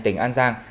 tỉnh an giang